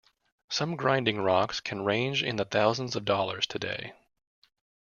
Some grinding rocks can range in the thousands of dollars today.